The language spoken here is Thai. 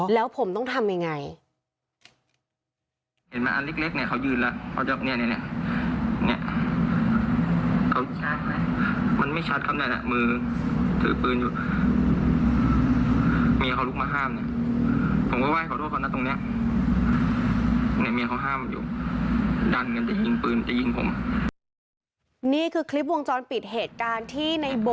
แล้วผมต้องทำยังไง